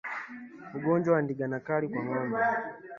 Ugonjwa wa ndigana kali kwa ngombe